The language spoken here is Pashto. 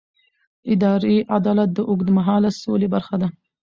اداري عدالت د اوږدمهاله سولې برخه ده